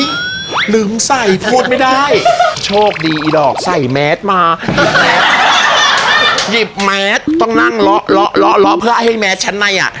อุ้ยลืมใส่พูดไม่ได้โชคดีไอ้ดอกใส่แมทมาหยิบแมทหยิบแมทต้องนั่งละเพื่อให้แมทชั้นในอ่ะ